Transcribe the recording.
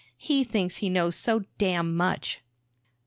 "He thinks he knows so damn much!"